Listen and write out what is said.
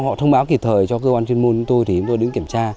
họ thông báo kịp thời cho cơ quan chuyên môn của tôi thì chúng tôi đứng kiểm tra